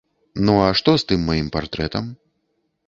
Ну, а што з тым маім партрэтам?